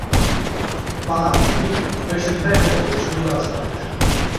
Панаму надень, а то ещё не дай бог солнечный удар схватишь.